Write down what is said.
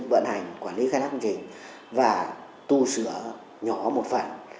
vận hành quản lý khai thác công trình và tu sửa nhỏ một phần